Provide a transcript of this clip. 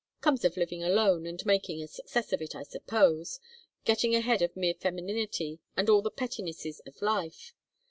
Comes of living alone and making a success of it, I suppose, getting ahead of mere femininity and all the pettinesses of life.